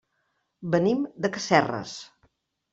Venim de Casserres.